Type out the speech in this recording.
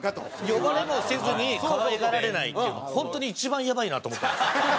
呼ばれもせずに可愛がられないっていうの本当に一番やばいなと思ってます。